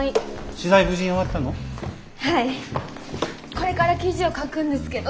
これから記事を書くんですけど。